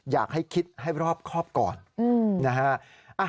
อยากให้คิดให้รอบครอบก่อนนะฮะ